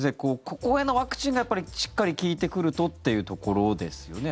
ここへのワクチンがしっかり効いてくるとというところですよね。